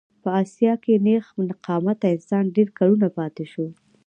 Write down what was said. په اسیا کې نېغ قامته انسان ډېر کلونه پاتې شو.